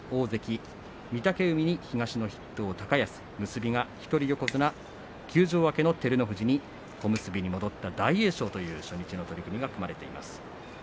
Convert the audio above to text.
結びは一人横綱休場明けの照ノ富士に小結に戻った大栄翔という初日の取組が組まれています。